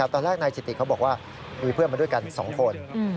ตอนแรกนายสิติเขาบอกว่ามีเพื่อนมาด้วยกัน๒คน